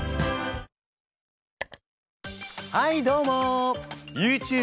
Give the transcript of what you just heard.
はいどうも！